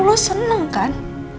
lo seneng kan